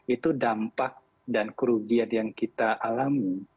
itu dampak dan kerugian yang kita alami